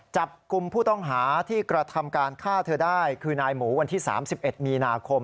จับกลุ่มผู้ต้องหาที่กระทำการฆ่าเธอได้คือนายหมูวันที่๓๑มีนาคม